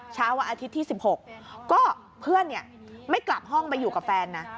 เช้าวันอาทิตย์ที่๑๖ก็เพื่อนไม่กลับห้องไปอยู่กับแฟนนะ